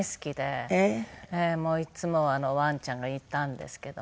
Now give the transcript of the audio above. もういつもワンちゃんがいたんですけども。